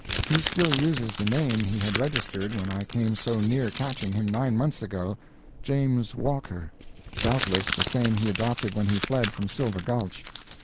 He still uses the name he had registered when I came so near catching him nine months ago "James Walker"; doubtless the same he adopted when he fled from Silver Gulch.